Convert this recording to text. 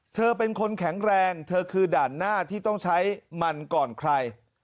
เธอเป็นคนแข็งแรงเธอคือด่านหน้าที่ต้องใช้มันก่อนใคร